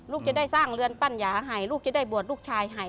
ลูกจะได้สร้างเรือนปั้นยาให้ลูกจะได้บวชลูกชายให้